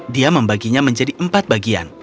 dia membaginya menjadi empat bagian